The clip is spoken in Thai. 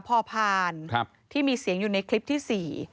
ก็ไม่รู้ว่าฟ้าจะระแวงพอพานหรือเปล่า